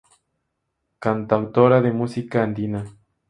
Cantautora de música andina.